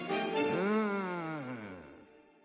うん。